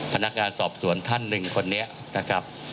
พนักงานสอบสวนท่านหนึ่งคนนี้นะครับ